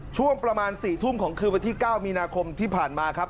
ช่วงประมาณ๔ทุ่มของคืนวันที่๙มีนาคมที่ผ่านมาครับ